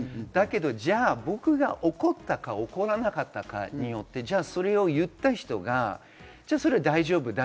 だけどじゃあ僕が怒ったか怒らなかったかによって、それを言った人が大丈夫？